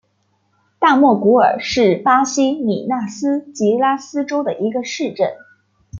大莫古尔是巴西米纳斯吉拉斯州的一个市镇。